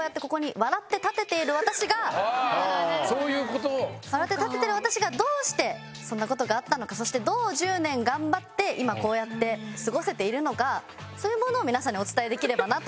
笑って立てている私がどうしてそんな事があったのかそしてどう１０年頑張って今こうやって過ごせているのかそういうものを皆さんにお伝えできればなと。